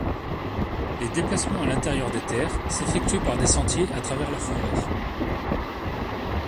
Les déplacements à l'intérieur des terres s'effectuaient par des sentiers à travers la forêt.